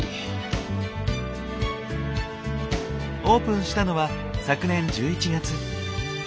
オープンしたのは昨年１１月。